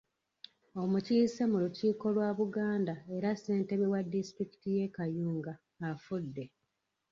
Omukiise mu lukiiko lwa Buganda era ssentebe wa disitulikiti ye Kayunga afudde.